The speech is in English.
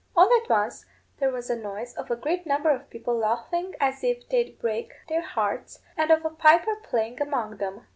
All at once there was a noise of a great number of people laughing as if they'd break their hearts, and of a piper playing among them.